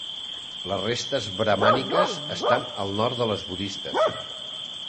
Les restes bramàniques estan al nord de les budistes.